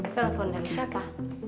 telepon dari siapa